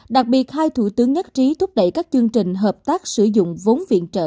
đặc biệt hai thủ tướng nhất trí thúc đẩy các chương trình hợp tác sử dụng vốn viện trợ